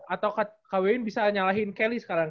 atau kak kwn bisa nyalahin kelly sekarang